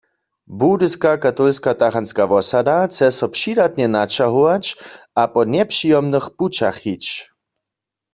Budyska katolska tachantska wosada chce so přidatnje naćahować a po njepřijomnych pućach hić.